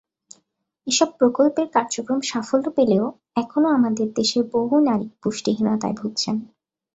এসব প্রকল্পের কার্যক্রম সাফল্য পেলেও এখনও আমাদের দেশের বহু নারী পুষ্টিহীনতায় ভুগছেন।